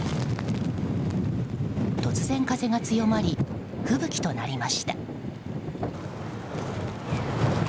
突然、風が強まり吹雪となりました。